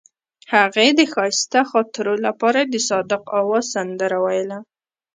هغې د ښایسته خاطرو لپاره د صادق اواز سندره ویله.